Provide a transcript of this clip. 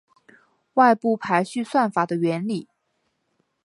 外部排序算法的原理